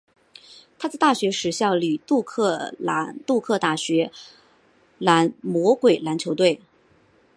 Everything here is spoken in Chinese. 他在大学时效力杜克大学蓝魔鬼篮球队。